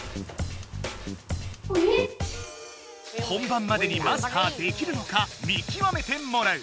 本番までにマスターできるのか見極めてもらう。